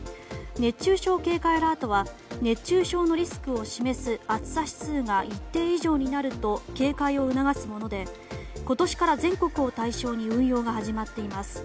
熱中症警戒アラートは熱中症のリスクを示す暑さ指数が一定以上になると警戒を促すもので今年から全国を対象に運用が始まっています。